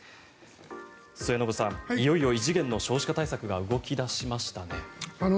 末延さん、いよいよ異次元の少子化対策が動き出しましたね。